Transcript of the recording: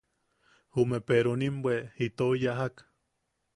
Jume peronim bwe itou yajak.